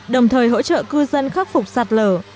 đồng thời hỗ trợ cư dân khắc phục sạt lở